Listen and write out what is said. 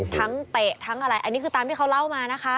เตะทั้งอะไรอันนี้คือตามที่เขาเล่ามานะคะ